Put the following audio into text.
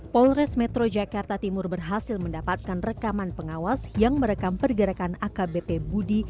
polres metro jakarta timur berhasil mendapatkan rekaman pengawas yang merekam pergerakan akbp budi